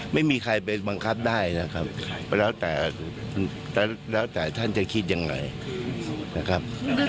ไม่มีใครไปบังคับได้นะครับแล้วแต่แล้วแต่ท่านจะคิดยังไงนะครับ